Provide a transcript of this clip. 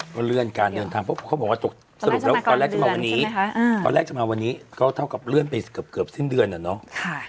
ก็เลื่อนการเดินทางเขาบอกว่าจบสรุปแล้วตอนแรกจะมาวันนี้ก็เท่ากับเลื่อนไปเกือบสิ้นเดือนเนี่ยเนาะ